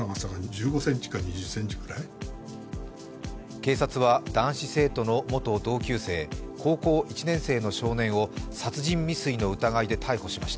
警察は、男子生徒の元同級生、高校１年生の少年を殺人未遂の疑いで逮捕しました。